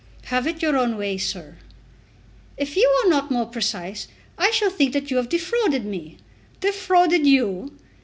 "Have it your own way, sir." "If you are not more precise, I shall think that you have defrauded me." "Defrauded you!"